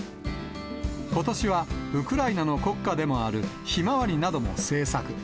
ことしは、ウクライナの国花でもあるひまわりなども製作。